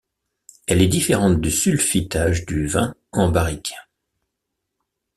Elle est différente du sulfitage du vin en barrique.